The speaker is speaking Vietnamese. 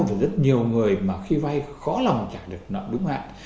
và rất nhiều người mà khi vai khó lòng trả được nợ đúng hạn